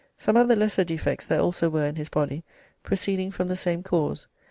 Some other lesser defects there also were in his body, proceeding from the same cause.